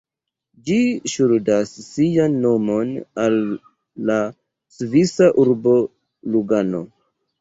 Ĝi ŝuldas sian nomon al la svisa urbo Lugano.